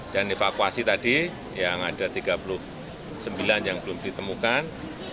dan evakuasi tadi yang ada tiga puluh sembilan yang belum ditemukan